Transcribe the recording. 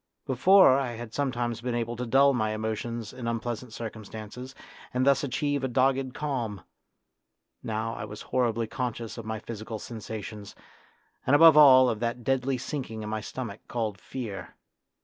Before I had sometimes been able to dull my emotions in unpleasant circumstances and thus achieve a 38 A DEAMA OF YOUTH dogged calm; now I was horribly conscious of my physical sensations, and, above all, of that deadly sinking in my stomach called fear.